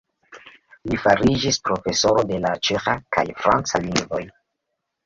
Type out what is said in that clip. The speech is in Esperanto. Li fariĝis profesoro de la ĉeĥa kaj franca lingvoj.